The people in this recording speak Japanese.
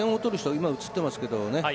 今映ってますけどね。